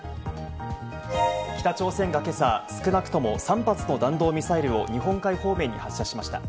北朝鮮が今朝、少なくとも３発の弾道ミサイルを日本海方面に発射しました。